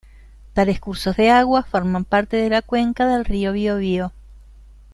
Tales cursos de agua forman parte de la cuenca del río Biobío.